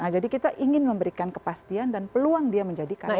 jadi kita ingin memberikan kepastian dan peluang dia menjadi karyawan